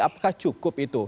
apakah cukup itu